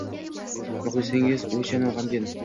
muxlisingaz — o’ychanu g’amgin